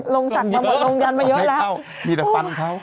ลงสัตว์มาหมดลงยันมาเยอะแล้วโอ้โฮไม่เข้ามีแต่ฟันเขา